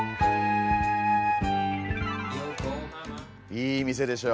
いい店でしょ。